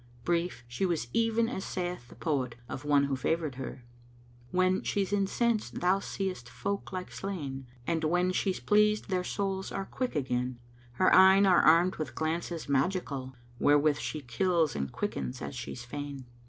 Brief, she was even as saith the poet of one who favoured her, "When she's incensed thou seest folk like slain, * And when she's pleased, their souls are quick again: Her eyne are armed with glances magical * Wherewith she kills and quickens as she's fain.